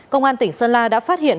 công an tỉnh sơn la đã phát hiện